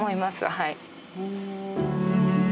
はい。